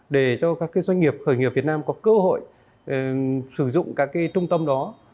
để cho các doanh nghiệp khởi nghiệp việt nam có cơ hội sử dụng các trung tâm đó